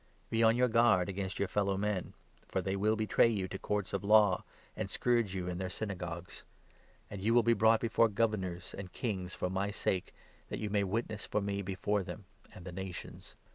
Be on your guard against your fellow men, for they will betray you to courts of law, and scourge you in their Syna gogues ; and you will be brought before governors and kings 18 for my sake, that you may witness for me before them and the nations.